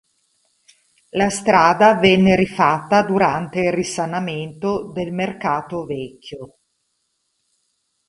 La strada venne rifatta durante il "Risanamento" del Mercato Vecchio.